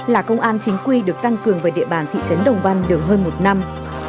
là công an chính quy được tăng cường về địa bàn thị trấn đồng văn được hơn một năm